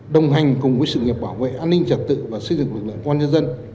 đồng hành cùng với sự nghiệp bảo vệ an ninh trật tự và xây dựng lực lượng công an nhân dân